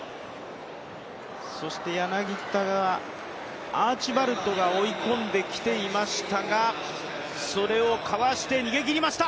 そして、柳田がアーチバルドが追い込んできていましたがそれをかわして逃げ切りました！